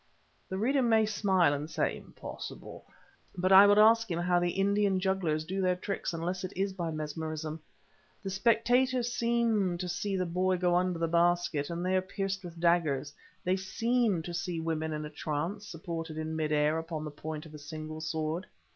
The reader may smile and say, "Impossible;" but I would ask him how the Indian jugglers do their tricks unless it is by mesmerism. The spectators seem to see the boy go under the basket and there pierced with daggers, they seem to see women in a trance supported in mid air upon the point of a single sword.